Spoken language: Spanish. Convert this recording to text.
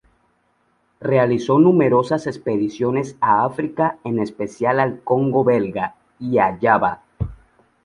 Realizó numerosas expediciones a África, en especial al Congo Belga, y a Java.